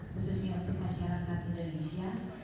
khususnya untuk masyarakat indonesia